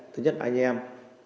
thứ nhất anh em